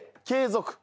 継続。